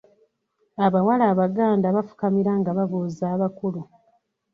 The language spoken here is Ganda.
Abawala Abaganda bafukamira nga babuuza abantu abakulu.